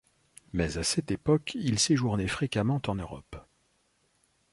Mais à cette époque il sejournait fréquemment en Europe.